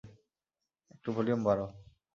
একটু ভলিউম বারাও।